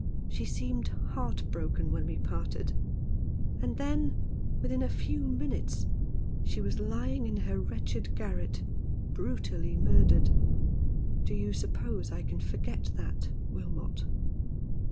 She seemed heart broken when we parted ; and then, within a few minutes, she was lying in her wretched garret, brutally murdered. Do you suppose that I can forget that, Wilmot